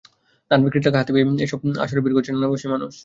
ধান বিক্রির টাকা হাতে পেয়েই এসব আসরে ভিড় করছে নানা বয়সী মানুষ।